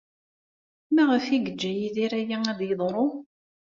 Maɣef ay yeǧǧa Yidir aya ad d-yeḍru?